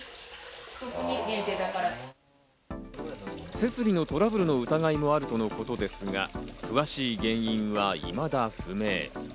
設備のトラブルの疑いもあるとのことですが、詳しい原因はいまだ不明。